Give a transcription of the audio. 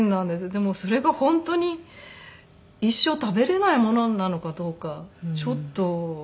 でもそれが本当に一生食べれないものなのかどうかちょっとわからなくてですね。